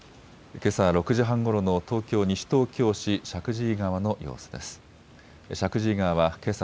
けさ６時半ごろの東京西東京市石神井川の様子です。